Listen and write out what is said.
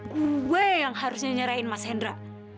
gua gua yang harusnya nyerahin mas hendra